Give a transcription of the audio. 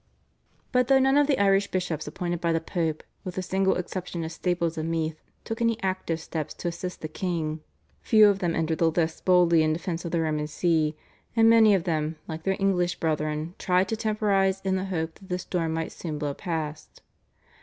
" But though none of the Irish bishops appointed by the Pope, with the single exception of Staples of Meath, took any active steps to assist the king, few of them entered the lists boldly in defence of the Roman See, and many of them, like their English brethren, tried to temporise in the hope that the storm might soon blow past.